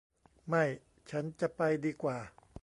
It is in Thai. ไม่ฉันจะไปดีกว่า